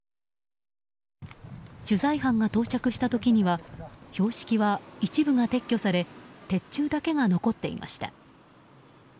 取材班が到着した時には、標識は一部が撤去され鉄柱だけが残っていました。